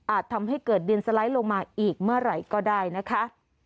ทำให้เกิดดินสไลด์ลงมาอีกเมื่อไหร่ก็ได้นะคะ